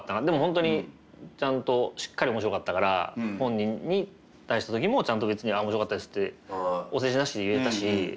でも本当にちゃんとしっかり面白かったから本人に対した時も別に「面白かったです」ってお世辞なしで言えたし。